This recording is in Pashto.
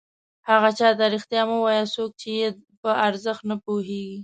هغه چاته رښتیا مه وایه څوک چې یې په ارزښت نه پوهېږي.